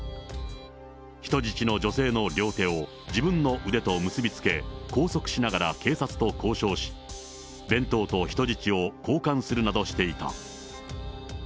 人質の女性の両手を自分の腕と結び付け、拘束しながら警察と交渉し、弁当と人質を交換するなどしていた。